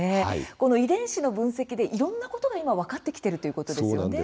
この遺伝子の分析でいろんなことが今分かってきているということですよね。